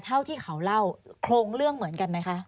เราเล่าโครงเรื่องเหมือนกันไหมคะ